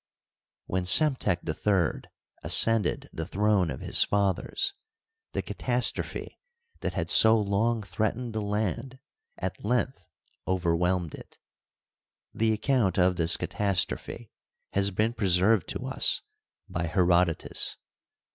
When Psemtek III ascended the throne of his fathers, the catastrophe that had so long threatened the land at length overwhelmed it. The account of this catastrophe has been preserved to us by Herodotus.